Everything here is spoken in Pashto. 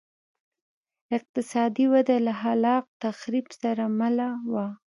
اقتصادي وده له خلاق تخریب سره مله وه